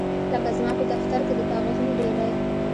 لکه زما په دفتر کې د کاغذونو ډیرۍ